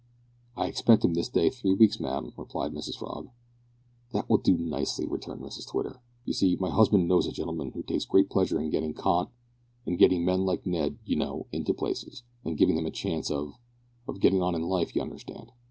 "I expect him this day three weeks, ma'am," replied Mrs Frog. "That will do nicely," returned Mrs Twitter. "You see, my husband knows a gentleman who takes great pleasure in getting con in getting men like Ned, you know, into places, and giving them a chance of of getting on in life, you understand?"